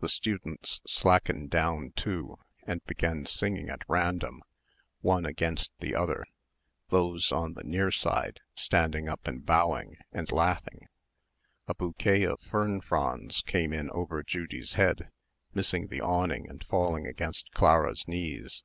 The students slackened down too and began singing at random, one against the other; those on the near side standing up and bowing and laughing. A bouquet of fern fronds came in over Judy's head, missing the awning and falling against Clara's knees.